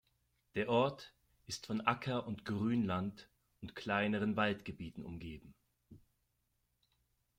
Der Ort ist von Acker- und Grünland und kleineren Waldgebieten umgeben.